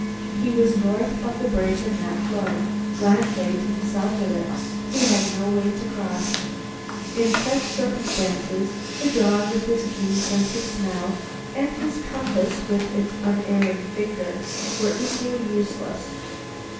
He was north of the break in the floe. Land lay to the south of it. He had no way to cross. In such circumstances, the dog with his keen sense of smell, and his compass with its unerring finger, were equally useless.